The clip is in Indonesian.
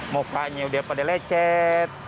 mukanya udah pada lecet